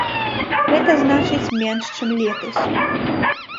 Гэта значыць, менш, чым летась.